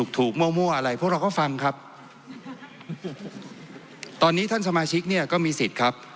ท่านสมาชิกเนี่ยก็มีสิทธินะครับ